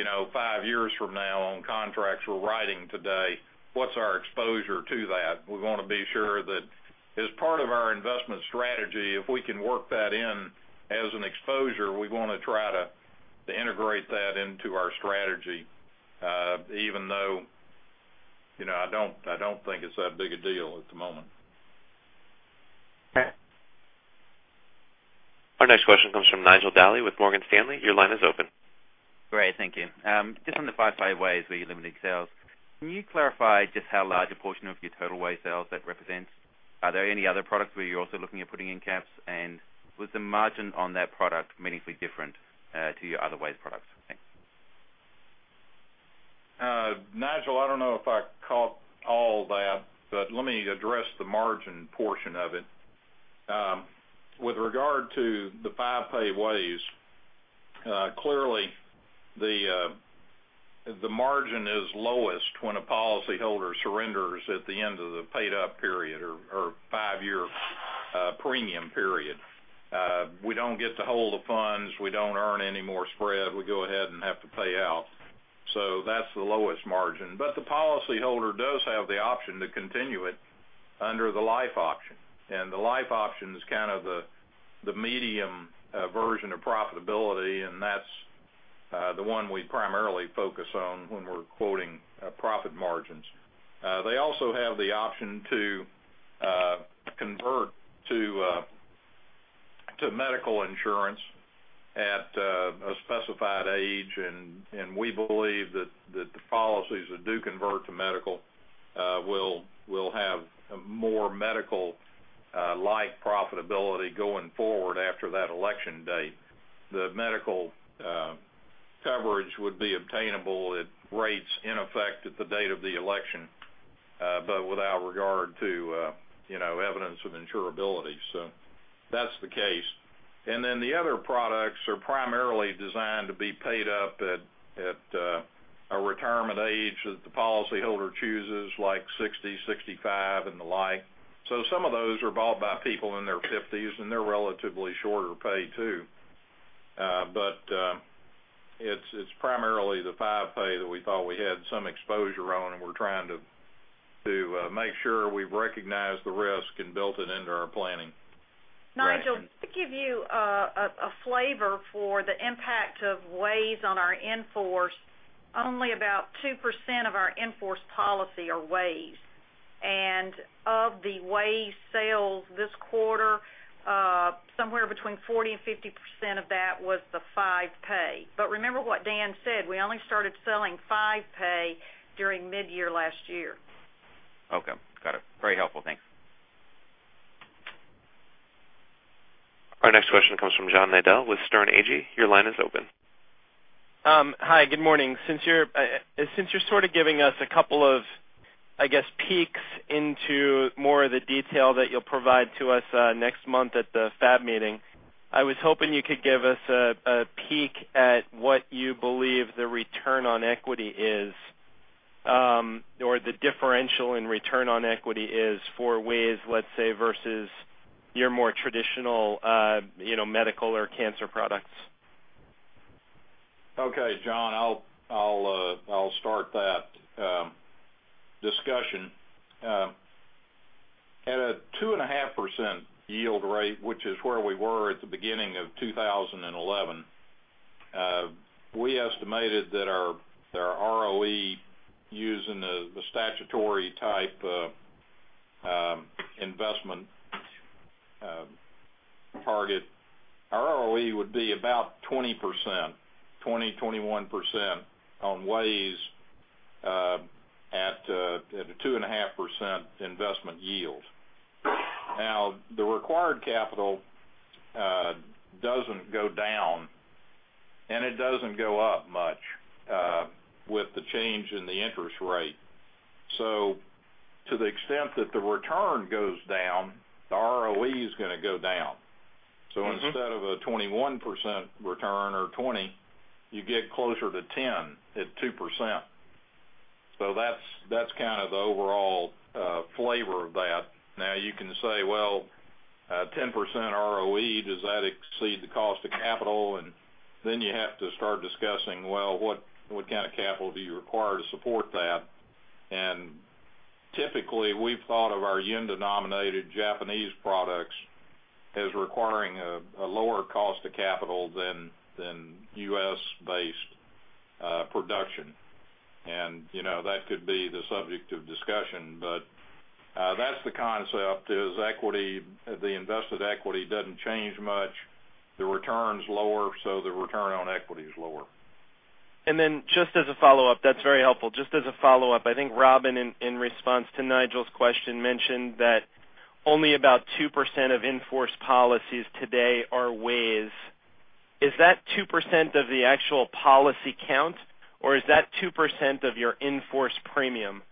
very- five years from now on contracts we're writing today. What's our exposure to that? We want to be sure that as part of our investment strategy, if we can work that in as an exposure, we want to try to integrate that into our strategy, even though I don't think it's that big a deal at the moment. Okay. Our next question comes from Nigel D'Souza with Morgan Stanley. Your line is open. Great. Thank you. Just on the five-pay WAYS where you're limiting sales, can you clarify just how large a portion of your total WAYS sales that represents? Are there any other products where you're also looking at putting in caps? Was the margin on that product meaningfully different to your other WAYS products? Thanks. Nigel, I don't know if I caught all that, but let me address the margin portion of it. With regard to the five-pay WAYS, clearly, the margin is lowest when a policyholder surrenders at the end of the paid-up period or five-year premium period. We don't get to hold the funds. We don't earn any more spread. We go ahead and have to pay out. That's the lowest margin. The policyholder does have the option to continue it under the life option. The life option is kind of the medium version of profitability, and that's the one we primarily focus on when we're quoting profit margins. They also have the option to convert to medical insurance at a specified age, and we believe that the policies that do convert to medical will have more medical life profitability going forward after that election date. The medical coverage would be obtainable at rates in effect at the date of the election, but without regard to evidence of insurability. That's the case. The other products are primarily designed to be paid up at a retirement age that the policyholder chooses, like 60, 65, and the like. Some of those are bought by people in their 50s, and they're relatively shorter pay, too. It's primarily the five-pay that we thought we had some exposure on, and we're trying to make sure we recognize the risk and built it into our planning. Right. Nigel, to give you a flavor for the impact of WAYS on our in-force, only about 2% of our in-force policy are WAYS. Of the WAYS sales this quarter, somewhere between 40%-50% of that was the five-pay. Remember what Dan said, we only started selling five-pay during mid-year last year. Okay, got it. Very helpful. Thanks. Our next question comes from John Nadel with Sterne Agee. Your line is open. Hi, good morning. Since you're sort of giving us a couple of, I guess, peeks into more of the detail that you'll provide to us next month at the FAB meeting I was hoping you could give us a peek at what you believe the return on equity is or the differential in return on equity is for WAYS, let's say, versus your more traditional medical or cancer products. Okay, John, I'll start that discussion. At a 2.5% yield rate, which is where we were at the beginning of 2011, we estimated that our ROE, using the statutory type of investment target, our ROE would be about 20%, 20, 21% on WAYS at a 2.5% investment yield. Now, the required capital doesn't go down, and it doesn't go up much with the change in the interest rate. To the extent that the return goes down, the ROE is going to go down. Instead of a 21% return or 20%, you get closer to 10% at 2%. That is the overall flavor of that. You can say, well, a 10% ROE, does that exceed the cost of capital? Then you have to start discussing, well, what kind of capital do you require to support that? Typically, we have thought of our yen-denominated Japanese products as requiring a lower cost of capital than U.S.-based production. That could be the subject of discussion. That is the concept is the invested equity doesn't change much. The return's lower, so the return on equity is lower. Just as a follow-up, that is very helpful. Just as a follow-up, I think Robin, in response to Nigel's question, mentioned that only about 2% of in-force policies today are WAYS. Is that 2% of the actual policy count, or is that 2% of your in-force premium?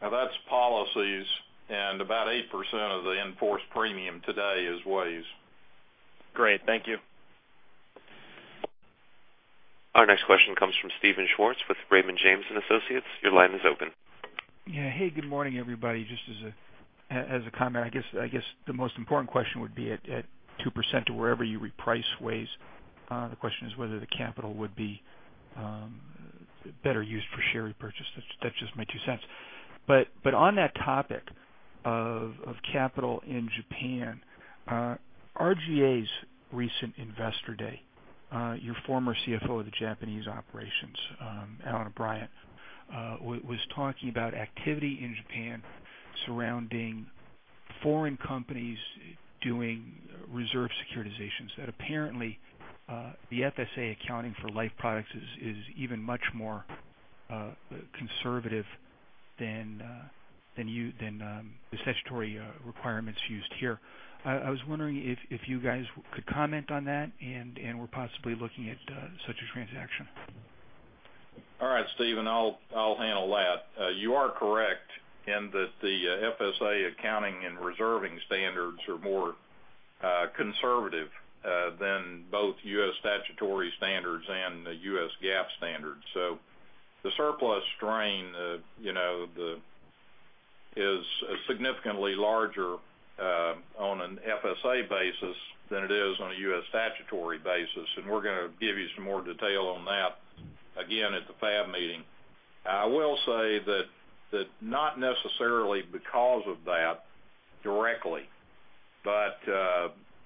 No, that's policies, and about 8% of the in-force premium today is WAYS. Great. Thank you. Our next question comes from Steven Schwartz with Raymond James & Associates. Your line is open. Yeah. Hey, good morning, everybody. Just as a comment, I guess the most important question would be at 2% or wherever you reprice WAYS, the question is whether the capital would be better used for share repurchase. That's just my two cents. On that topic of capital in Japan, RGA's recent investor day, your former CFO of the Japanese operations, Allan O'Bryant, was talking about activity in Japan surrounding foreign companies doing reserve securitizations, that apparently the FSA accounting for life products is even much more conservative than the statutory requirements used here. I was wondering if you guys could comment on that and were possibly looking at such a transaction. All right, Steven, I'll handle that. You are correct in that the FSA accounting and reserving standards are more conservative than both U.S. statutory standards and the U.S. GAAP standards. The surplus strain is significantly larger on an FSA basis than it is on a U.S. statutory basis, and we're going to give you some more detail on that again at the FAB meeting. I will say that not necessarily because of that directly, but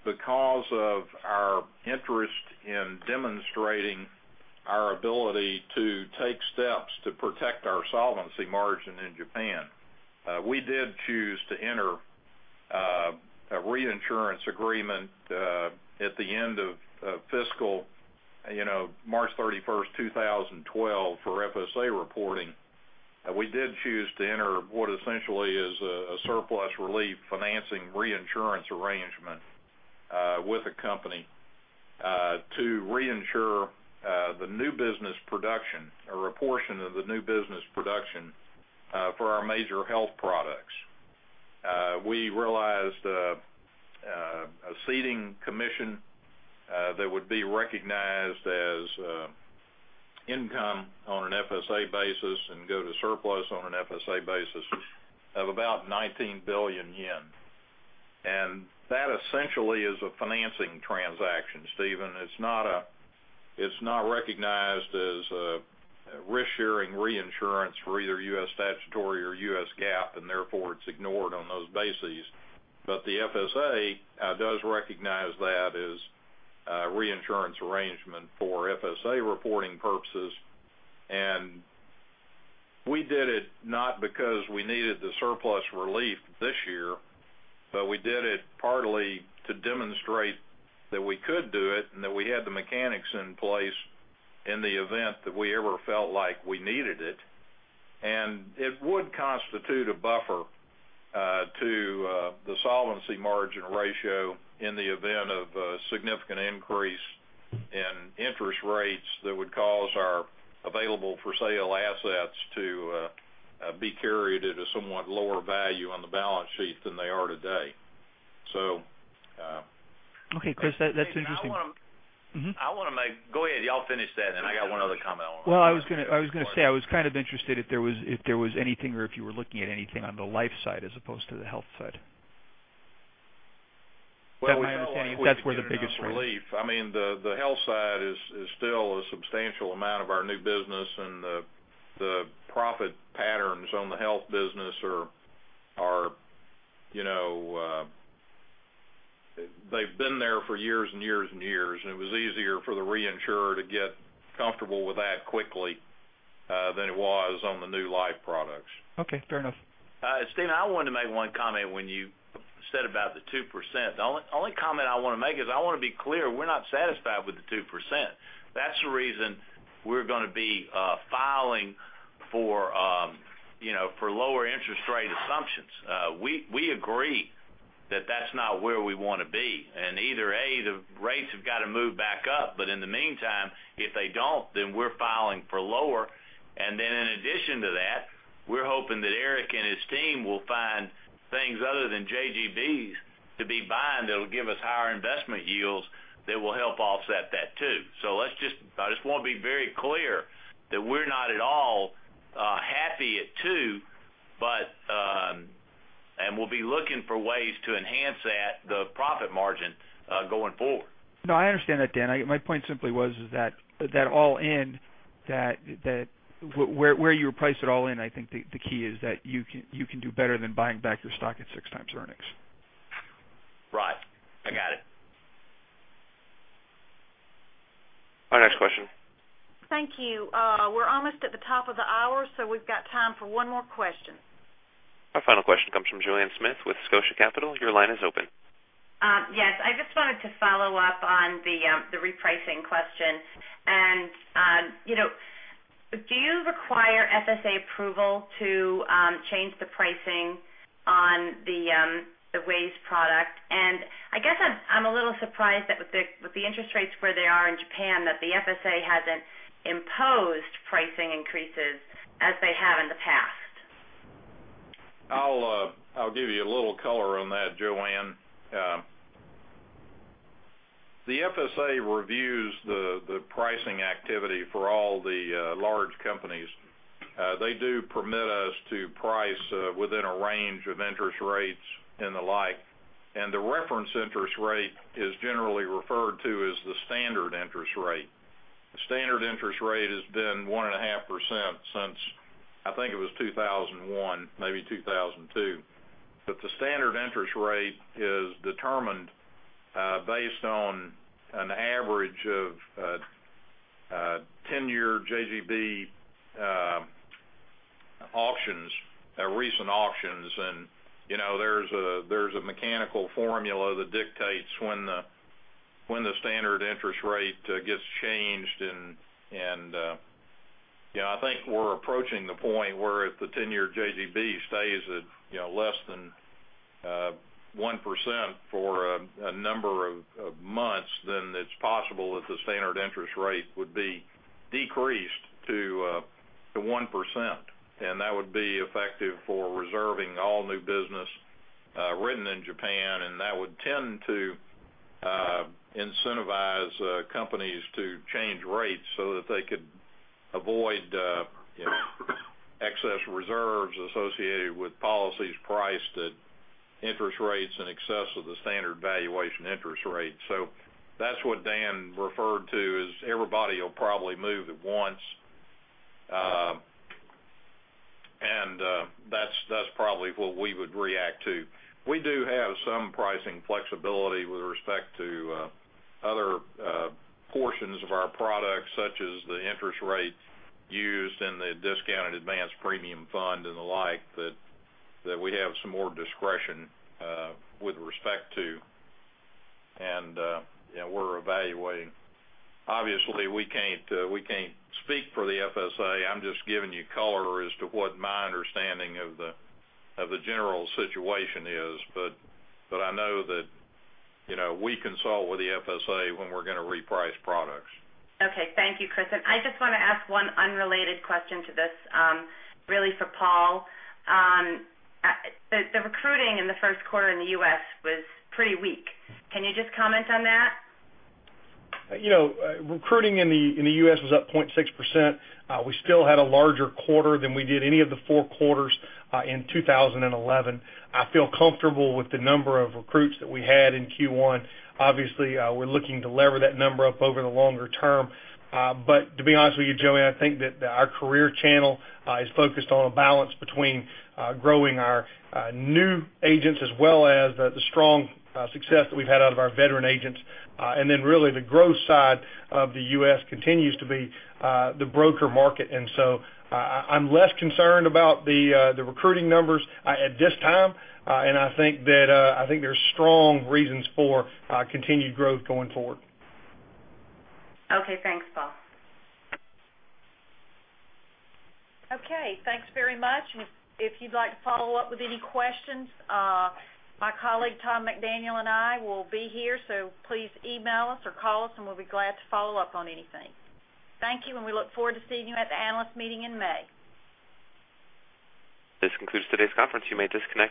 because of our interest in demonstrating our ability to take steps to protect our solvency margin in Japan, we did choose to enter a reinsurance agreement at the end of fiscal March 31st, 2012, for FSA reporting. We did choose to enter what essentially is a surplus relief financing reinsurance arrangement with a company to reinsure the new business production or a portion of the new business production for our major health products. We realized a ceding commission that would be recognized as income on an FSA basis and go to surplus on an FSA basis of about 19 billion yen. That essentially is a financing transaction, Steven. It's not recognized as a risk-sharing reinsurance for either U.S. statutory or U.S. GAAP, therefore, it's ignored on those bases. The FSA does recognize that as a reinsurance arrangement for FSA reporting purposes. We did it not because we needed the surplus relief this year, but we did it partly to demonstrate that we could do it and that we had the mechanics in place in the event that we ever felt like we needed it. It would constitute a buffer to the solvency margin ratio in the event of a significant increase in interest rates that would cause our available-for-sale assets to be carried at a somewhat lower value on the balance sheet than they are today. Okay, Kriss, that's interesting. Go ahead. You all finish that, then I got one other comment on it. Well, I was going to say, I was kind of interested if there was anything, or if you were looking at anything on the life side as opposed to the health side. That's where the biggest- Well, we don't want you getting our belief. The health side is still a substantial amount of our new business, and the profit patterns on the health business, they've been there for years and years and years, and it was easier for the reinsurer to get comfortable with that quickly than it was on the new life products. Okay, fair enough. Steven, I wanted to make one comment when you said about the 2%. The only comment I want to make is I want to be clear, we're not satisfied with the 2%. That's the reason we're going to be filing for lower interest rate assumptions. We agree that that's not where we want to be. Either, A, the rates have got to move back up, but in the meantime, if they don't, then we're filing for lower. Then in addition to that, we're hoping that Eric and his team will find things other than JGBs to be buying that'll give us higher investment yields that will help offset that too. I just want to be very clear that we're not at all happy at two, and we'll be looking for ways to enhance that, the profit margin, going forward. No, I understand that, Dan. My point simply was is that all in, where you price it all in, I think the key is that you can do better than buying back your stock at six times earnings. Right. I got it. Our next question. Thank you. We're almost at the top of the hour, we've got time for one more question. Our final question comes from Joanne Smith with Scotia Capital. Your line is open. I just wanted to follow up on the repricing question. Do you require FSA approval to change the pricing on the WAYS product? I guess I'm a little surprised that with the interest rates where they are in Japan, that the FSA hasn't imposed pricing increases as they have in the past. I'll give you a little color on that, Joanne. The FSA reviews the pricing activity for all the large companies. They do permit us to price within a range of interest rates and the like. The reference interest rate is generally referred to as the standard interest rate. The standard interest rate has been 1.5% since, I think it was 2001, maybe 2002. The standard interest rate is determined based on an average of 10-year JGB recent auctions. There's a mechanical formula that dictates when the standard interest rate gets changed. I think we're approaching the point where if the 10-year JGB stays at less than 1% for a number of months, it's possible that the standard interest rate would be decreased to 1%. That would be effective for reserving all new business written in Japan, and that would tend to incentivize companies to change rates so that they could avoid excess reserves associated with policies priced at interest rates in excess of the standard valuation interest rate. That's what Dan referred to as everybody will probably move at once. That's probably what we would react to. We do have some pricing flexibility with respect to other portions of our products, such as the interest rate used in the discounted advanced premium fund and the like, that we have some more discretion with respect to. We're evaluating. Obviously, we can't speak for the FSA. I'm just giving you color as to what my understanding of the general situation is. I know that we consult with the FSA when we're going to reprice products. Okay. Thank you, Kriss. I just want to ask one unrelated question to this, really for Paul. The recruiting in the first quarter in the U.S. was pretty weak. Can you just comment on that? Recruiting in the U.S. was up 0.6%. We still had a larger quarter than we did any of the four quarters in 2011. I feel comfortable with the number of recruits that we had in Q1. Obviously, we're looking to lever that number up over the longer term. To be honest with you, Joanne, I think that our career channel is focused on a balance between growing our new agents as well as the strong success that we've had out of our veteran agents. Really the growth side of the U.S. continues to be the broker market. So I'm less concerned about the recruiting numbers at this time. I think there's strong reasons for continued growth going forward. Okay. Thanks, Paul. Okay. Thanks very much. If you'd like to follow up with any questions, my colleague Tom McDaniel and I will be here. Please email us or call us, and we'll be glad to follow up on anything. Thank you, and we look forward to seeing you at the analyst meeting in May. This concludes today's conference. You may disconnect.